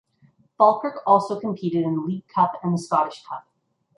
Falkirk also competed in the League Cup and the Scottish Cup.